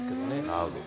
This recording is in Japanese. なるほど。